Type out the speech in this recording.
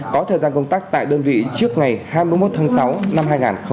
có thời gian công tác tại đơn vị trước ngày hai mươi một tháng sáu năm hai nghìn hai mươi